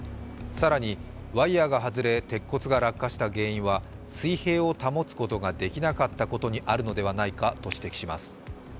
更にワイヤーが外れ、鉄骨が落下した原因は水平を保つことができなかったことにあるのではないかと指摘します。